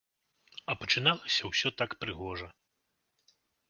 А пачыналася ўсё так прыгожа.